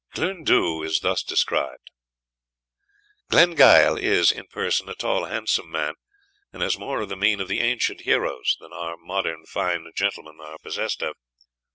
Ghlune Dhu is thus described: "Glengyle is, in person, a tall handsome man, and has more of the mien of the ancient heroes than our modern fine gentlemen are possessed of.